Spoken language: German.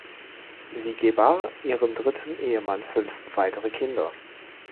Sie gebar ihrem dritten Ehemann fünf weitere Kinder.